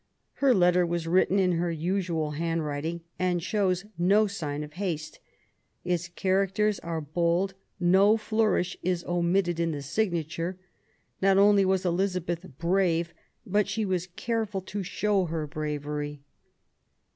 Her letter was written in her usual handwriting, and shows no sign of haste. Its characters are bold; no flourish is omitted in the signature. Not only was Elizabeth brave, but she was careful to show her bravery.